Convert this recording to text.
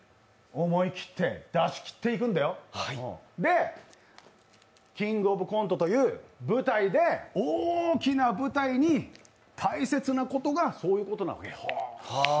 思い切って、出し切っていくんだよ「キングオブコント」という舞台で大きな舞台に大切なことがそういうことなわけよ。